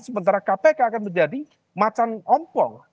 sementara kpk akan menjadi macan ompol